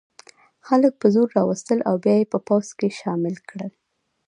خلک په زور را وستل او بیا یې په پوځ کې شامل کړل.